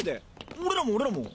俺らも俺らも！